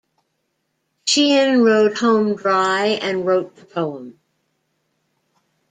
Sheahan rode home dry and wrote the poem.